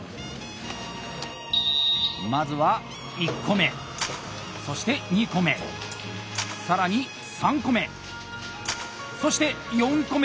まずは１個目そして２個目更に３個目そして４個目。